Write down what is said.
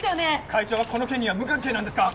会長はこの件には無関係なんですか？